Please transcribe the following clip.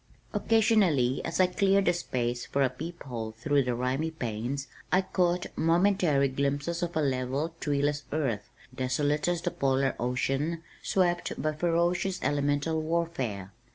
Occasionally as I cleared a space for a peephole through the rimy panes, I caught momentary glimpses of a level, treeless earth, desolate as the polar ocean swept by ferocious elemental warfare.